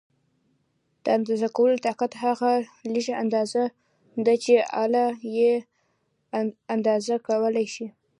د اندازه کولو دقت هغه لږه اندازه ده چې آله یې اندازه کولای شي.